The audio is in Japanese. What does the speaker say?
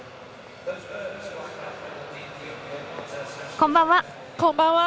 こんばんは。